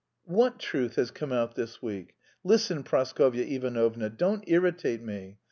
"What truth has come out this week? Listen, Praskovya Ivanovna, don't irritate me.